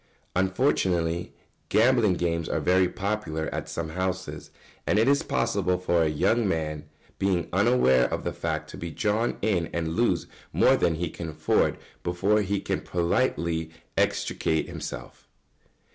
] Unfortunately, gambling games are very popular at some houses, and it is possible for a young man, being unaware of the fact, to be drawn in and lose more than he can afford before he can politely extricate himself.